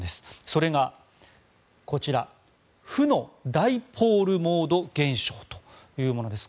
それがこちら負のダイポールモード現象というものです。